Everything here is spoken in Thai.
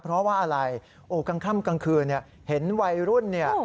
เพราะว่าอะไรตอนขึ้นกลางคืนเห็นวัยรุ่น